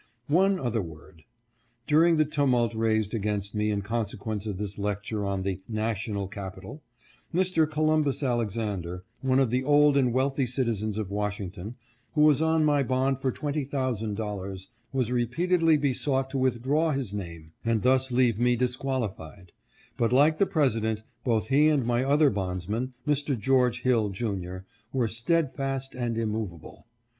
One other word. During the tumult raised against me in consequence of this lecture on the " National Capital," Mr. Columbus Alexander, one of the old and wealthy citizens of Washington, who was on my bond for twenty thousand dollars, was repeatedly besought to withdraw his name, and thus leave me disqualified ; but like the President, both he and my other bondsman, Mr. George Hill, Jr., were steadfast and immovable.